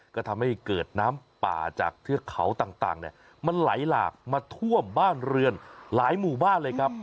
ก็ทำให้เกิดน้ำป่าจากเทือกเขาต่างมันไหลหลากมาท่วมบ้านเรือนหลายหมู่บ้านเลยครับ